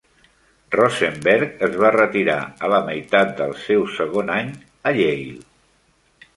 Rosenberg es va retirar a la meitat del seu segon any a Yale.